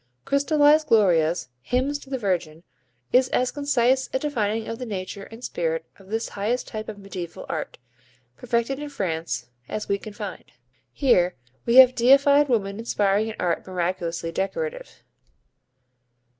"Crystallised glorias" (hymns to the Virgin) is as concise a defining of the nature and spirit of this highest type of mediæval art perfected in France as we can find. Here we have deified woman inspiring an art miraculously decorative.